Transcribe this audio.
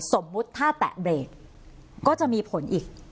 สมมุติถ้าแตะเบรกก็จะมีผลอีก